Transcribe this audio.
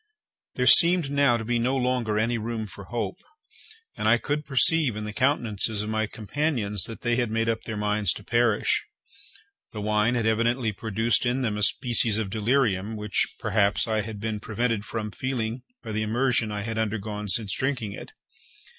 There seemed now to be no longer any room for hope, and I could perceive in the countenances of my companions that they had made up their minds to perish. The wine had evidently produced in them a species of delirium, which, perhaps, I had been prevented from feeling by the immersion I had undergone since drinking it.